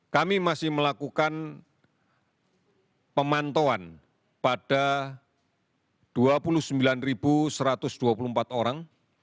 kami masih melakukan pemantauan pada dua puluh sembilan satu ratus dua puluh empat orang